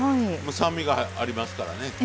酸味がありますからね。